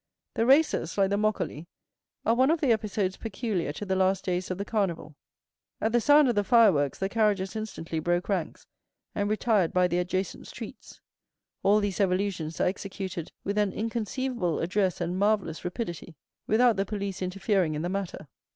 The races, like the moccoli, are one of the episodes peculiar to the last days of the Carnival. At the sound of the fireworks the carriages instantly broke ranks, and retired by the adjacent streets. All these evolutions are executed with an inconceivable address and marvellous rapidity, without the police interfering in the matter.